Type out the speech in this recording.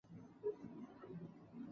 ژر غوسه کېږي.